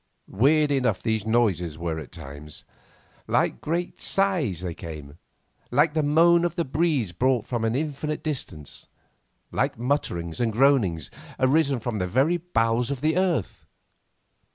Weird enough these noises were at times. Like great sighs they came, like the moan of the breeze brought from an infinite distance, like mutterings and groanings arisen from the very bowels of the earth.